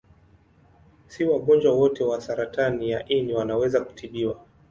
Si wagonjwa wote wa saratani ya ini wanaweza kutibiwa.